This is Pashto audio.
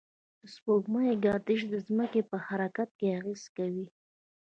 د سپوږمۍ گردش د ځمکې پر حرکت اغېز کوي.